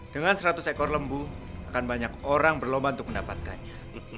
dengan seratus ekor lembu akan banyak orang berlomba untuk mendapatkannya